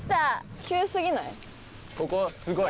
ここすごい。